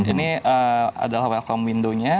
ini adalah welcome window nya